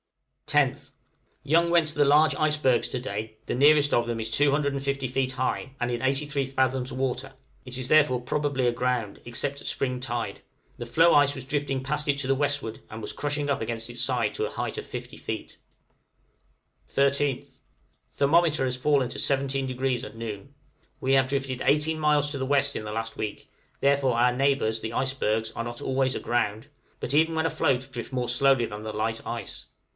10th. Young went to the large icebergs to day; the nearest of them is 250 feet high, and in 83 fathoms water; it is therefore probably aground, except at spring tide; the floe ice was drifting past it to the westward, and was crushing up against its side to a height of 50 feet. {CANINE APPETITE.} 13th. Thermometer has fallen to 17° at noon. We have drifted 18 miles to the W. in the last week; therefore our neighbors, the icebergs, are not always aground, but even when afloat drift more slowly than the light ice.